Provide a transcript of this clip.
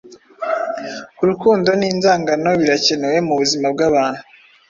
urukundo n'inzangano, birakenewe mubuzima bwabantu.